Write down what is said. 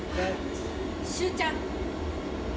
周ちゃん。